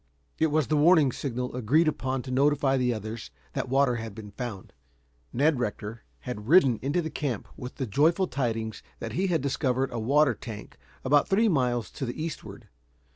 It was the warning signal agreed upon to notify the others that water had been found. Ned Rector had ridden into camp with the joyful tidings that he had discovered a water tank about three miles to the eastward.